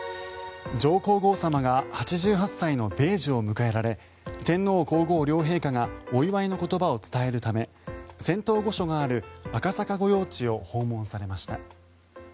上皇后さまが８８歳の米寿を迎えられ天皇・皇后両陛下がお祝いの言葉を伝えるため仙洞御所がある赤坂御用地を訪問されました。